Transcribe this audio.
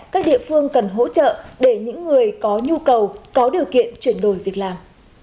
các địa phương cần hỗ trợ để những người có nhu cầu có điều kiện chuyển đổi việc làm